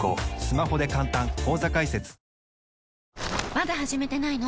まだ始めてないの？